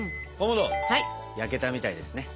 焼けたみたいですね。